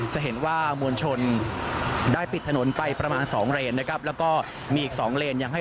จะเห็นว่ามวลชนได้ปิดถนนไปประมาณ๒เรน